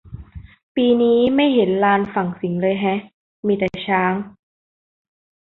ปีนี้ไม่เห็นลานฝั่งสิงห์เลยแฮะ มีแต่ช้าง